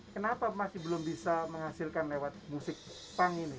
kenapa masih belum bisa menghasilkan lewat musik punk ini